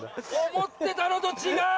思ってたのと違う！